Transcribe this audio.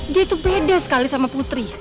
dia itu beda sekali sama putri